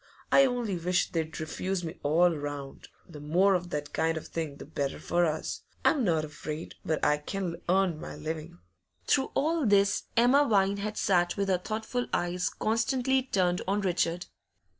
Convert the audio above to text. I only wish they'd refuse me all round; the more of that kind of thing the better for us. I'm not afraid but I can earn my living.' Through all this Emma Vine had sat with her thoughtful eyes constantly turned on Richard.